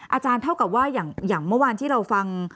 เท่ากับว่าอย่างเมื่อวานที่เราฟัง